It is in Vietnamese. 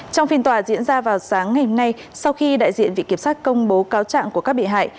trong phiên tòa diễn ra vào sáng ngày hôm nay sau khi đại diện vị kiểm sát công bố cáo trạng của các bị hại